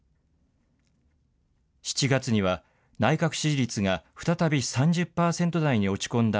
７月には内閣支持率が再び３０％台に落ち込んだ